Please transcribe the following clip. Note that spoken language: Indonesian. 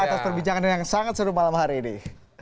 atas perbincangan yang sangat seru malam hari ini